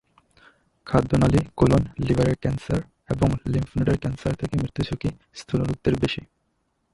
খাদ্যনালি, colon, লিভারের cancer এবং লিস্ফনোডের ক্যানসার থেকে মৃত্যুঝুঁকি স্থূল লোকদের বেশি।